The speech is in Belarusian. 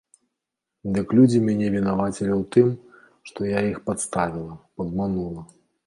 Дык людзі мяне вінавацілі ў тым, што я іх падставіла, падманула.